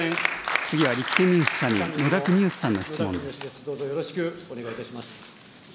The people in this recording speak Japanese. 次は立憲民主・社民、野田国義さんの質問です。